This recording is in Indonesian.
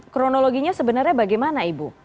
kronologinya sebenarnya bagaimana ibu